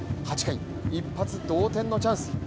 ８回、一発同点のチャンス。